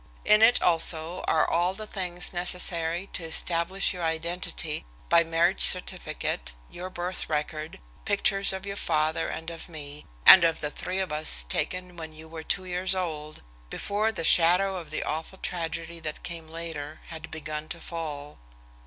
In it also are all the things necessary to establish your identity, my marriage certificate, your birth record, pictures of your father and of me, and of the three of us taken when you were two years old, before the shadow of the awful tragedy that came later had begun to fall."